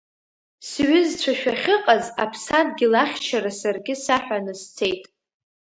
Сҩызцәа шәахьыҟаз Аԥсадгьыл ахьчара саргьы саҳәаны сцеит.